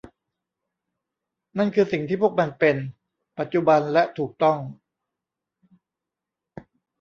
นั่นคือสิ่งที่พวกมันเป็น ปัจจุบันและถูกต้อง